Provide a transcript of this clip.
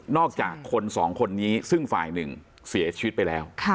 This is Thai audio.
อกจากคนสองคนนี้ซึ่งฝ่ายหนึ่งเสียชีวิตไปแล้ว